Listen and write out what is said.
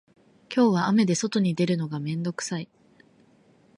今日は雨で外に出るのが面倒くさい